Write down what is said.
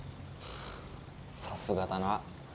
ハァさすがだな。